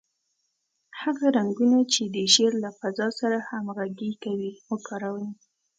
هغه رنګونه چې د شعر له فضا سره همغږي کوي، وکاروئ.